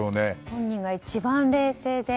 本人が一番冷静で。